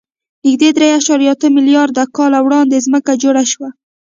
نږدې درې اعشاریه اته میلیارده کاله وړاندې ځمکه جوړه شوه.